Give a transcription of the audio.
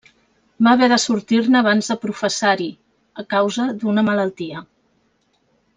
Va haver de sortir-ne abans de professar-hi, a causa d'una malaltia.